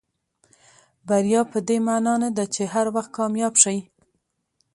بریا پدې معنا نه ده چې هر وخت کامیاب شئ.